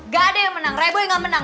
gaada yang menang reboy ga menang